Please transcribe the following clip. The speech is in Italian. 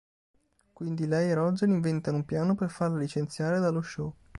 Quindi lei e Roger inventano un piano per farla licenziare dallo show.